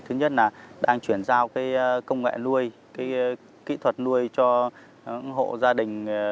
thứ nhất là đang chuyển giao công nghệ nuôi kỹ thuật nuôi cho hộ gia đình